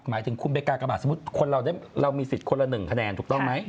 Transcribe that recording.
หมายถึงคุณไปกากบาทสมมุติคนเรามีสิทธิ์คนละ๑คะแนนถูกต้องไหม